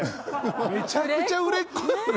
めちゃくちゃ売れっ子。